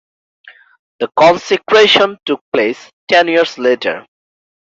The consecration took place ten years later.